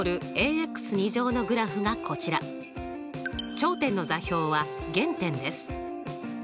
頂点の座標は原点です。